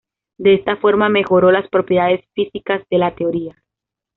De esta forma mejoró las propiedades físicas de la teoría.